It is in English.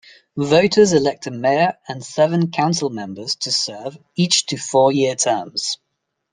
Voters elect a mayor and seven councilmembers to serve, each to four-year terms.